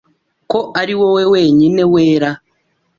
ko ari wowe wenyine wera?